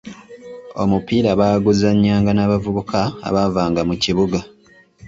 Omupiira baaguzanyanga n'abavubuka abavanga mu kibuga.